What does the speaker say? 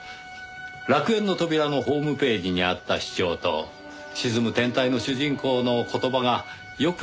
楽園の扉のホームページにあった主張と『沈む天体』の主人公の言葉がよく似ていましてね。